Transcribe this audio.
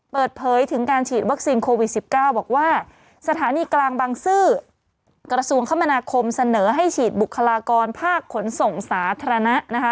เปิดเผยถึงการฉีดวัคซีนโควิด๑๙บอกว่าสถานีกลางบางซื่อกระทรวงคมนาคมเสนอให้ฉีดบุคลากรภาคขนส่งสาธารณะนะคะ